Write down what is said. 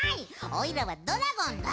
おいらはドラゴンだ！